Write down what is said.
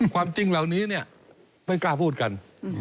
ความจริงเหล่านี้เนี่ยไม่กล้าพูดกัน